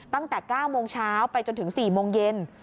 ตั้งแต่๙โมงเช้าไปจนถึง๔โมงเย็น